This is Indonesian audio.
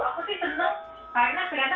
aku sih tentu karena ternyata